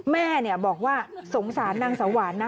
แม่เนี่ยบอกว่าสงสารนางสวรรค์นะ